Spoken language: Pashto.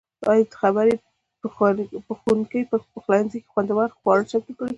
ایا ته خبر یې؟ پخونکي په پخلنځي کې خوندور خواړه چمتو کړي.